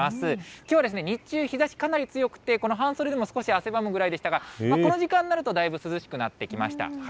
きょうは日中、日ざしかなり強くて、この半袖でも少し汗ばむぐらいでしたが、この時間になると、だいぶ涼しくなってきました。